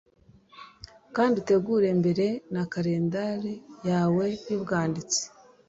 kandi utegure mbere na kalendari yawe yubwanditsi